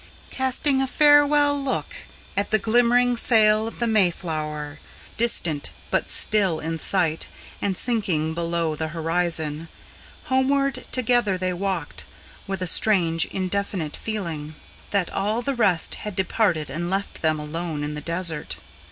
Casting a farewell look at the glimmering sail of the Mayflower, Distant, but still in sight, and sinking below the horizon, Homeward together they walked, with a strange, indefinite feeling, That all the rest had departed and left them alone in the desert.